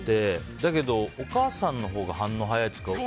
だけど、お母さんのほうが反応が早いというか。